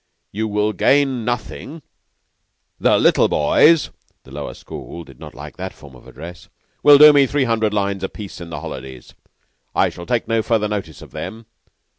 You will gain nothing. The little boys (the Lower School did not like that form of address) will do me three hundred lines apiece in the holidays. I shall take no further notice of them.